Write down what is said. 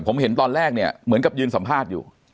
ผมเห็นตอนแรกเนี่ยเหมือนกับยืนสัมภาษณ์อยู่